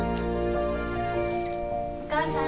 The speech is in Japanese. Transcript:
お母さん。